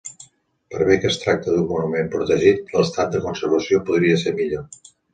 Per bé que es tracta d'un monument protegit, l'estat de conservació podria ser millor.